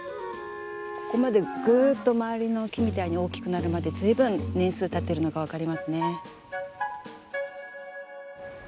ここまでグーッと周りの木みたいに大きくなるまで随分年数たっているのが分かりますね。